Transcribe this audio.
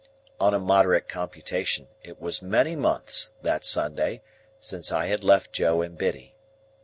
On a moderate computation, it was many months, that Sunday, since I had left Joe and Biddy.